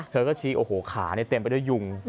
เธอก็ชี้โอ้โหขาเต็มไปด้วยยุง